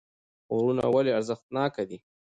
غرونه ولې ارزښتناکه دي